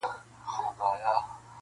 د ملا مسكين پر كور باندي ناورين سو -